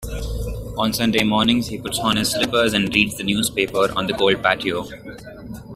On Sunday mornings, he puts on his slippers and reads the newspaper on the cold patio.